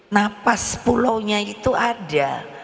napas pulau nya itu ada